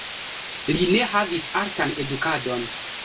Li ne havis artan edukadon.